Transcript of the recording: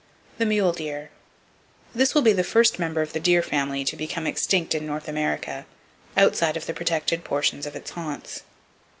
The Mule Deer. —This will be the first member of the Deer Family to become extinct in North America outside of the protected portions of its haunts.